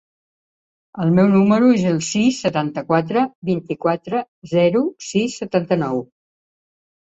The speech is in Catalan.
El meu número es el sis, setanta-quatre, vint-i-quatre, zero, sis, setanta-nou.